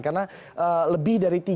karena lebih dari tiga